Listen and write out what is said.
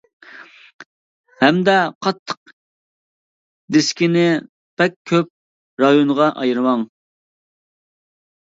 ھەمدە قاتتىق دىسكىنى بەك كۆپ رايونغا ئايرىماڭ.